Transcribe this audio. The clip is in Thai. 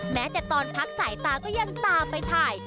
แม้แต่ตอนพักสายตาก็ยังตามไปถ่าย